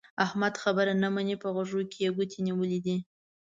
احمد خبره نه مني؛ په غوږو کې يې ګوتې نيولې دي.